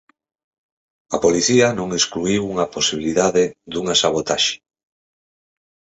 A policía non excluíu a posibilidade dunha sabotaxe.